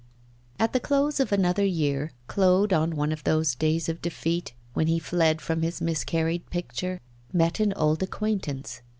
At the close of another year, Claude, on one of those days of defeat, when he fled from his miscarried picture, met an old acquaintance.